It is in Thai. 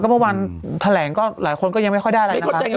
ก็ว่าวันแถลงหลายคนก็ยังไม่ได้อะไร